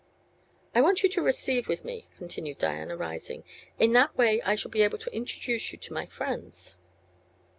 "I want you to receive with me," continued Diana, rising. "In that way I shall be able to introduce you to my friends."